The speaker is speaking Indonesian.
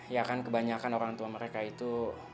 ya kan kebanyakan orang tua mereka itu